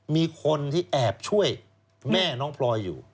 มีคนที่แอบช่วยแม่น้องพลอยอยู่